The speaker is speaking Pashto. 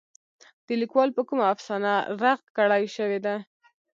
د ليکوال په کومه افسانه رغ کړے شوې ده.